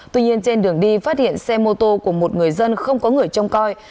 tuy nhiên trên đường đi phát hiện xe mô tô của một người dân không có người trông coi